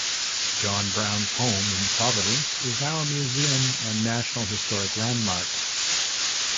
John Brown's home in Providence is now a museum and National Historic Landmark.